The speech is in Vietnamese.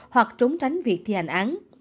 hoặc trốn tránh việc thi hành án